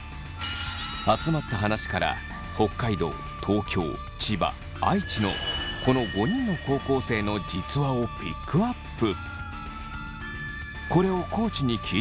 集まった話から北海道東京千葉愛知のこの５人の高校生の実話をピックアップ。